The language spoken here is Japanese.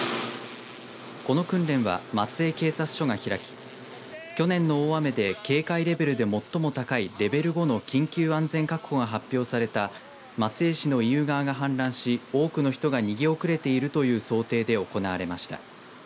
この訓練は、松江警察署が開き去年の大雨で警戒レベルが最も高いレベル５の緊急安全確保が発表された松江市の意宇川が氾濫し多くの人が逃げ遅れているという想定で行われました。